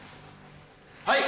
はい！